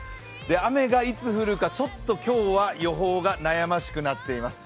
雨がいつ降るか今日はちょっと予報が悩ましくなっています。